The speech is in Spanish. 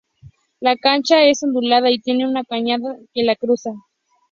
La cancha es ondulada y tiene una cañada que la cruza.